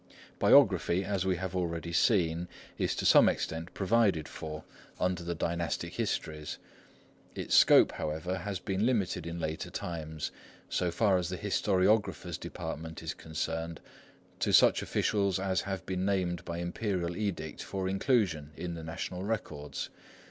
Biography, as we have already seen, is to some extent provided for under the dynastic histories. Its scope, however, has been limited in later times, so far as the Historiographer's Department is concerned, to such officials as have been named by Imperial edict for inclusion in the national records.